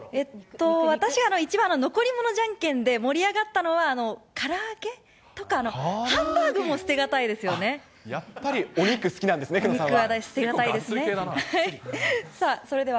私は一番残り物じゃんけんで盛り上がったのは、から揚げとか、やっぱり、お肉好きなんですね、久野さんは。